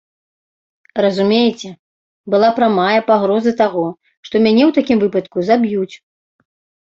Разумееце, была прамая пагроза таго, што мяне ў такім выпадку заб'юць.